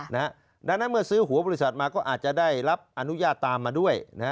ดังนั้นเมื่อซื้อหัวบริษัทมาก็อาจจะได้รับอนุญาตตามมาด้วย